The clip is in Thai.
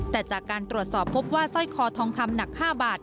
แต่จากการตรวจสอบพบว่าสร้อยคอทองคำหนัก๕บาท